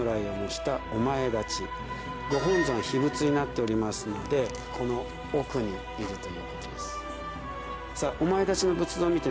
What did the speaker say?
ご本尊秘仏になっておりますのでこの奥にいると。